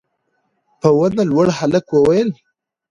په ونه لوړ هلک وويل: